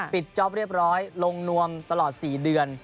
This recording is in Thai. จ๊อปเรียบร้อยลงนวมตลอด๔เดือน